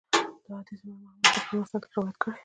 دا حديث امام احمد په خپل مسند کي روايت کړی